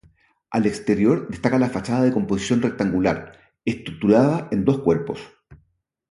Al exterior destaca la fachada de composición rectangular, estructurada en dos cuerpos.